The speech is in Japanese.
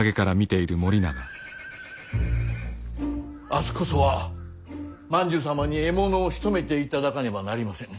明日こそは万寿様に獲物をしとめていただかねばなりませぬ。